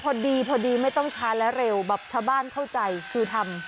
พอดีพอดีไม่ต้องช้าและเร็วแบบชาวบ้านเข้าใจคือทำ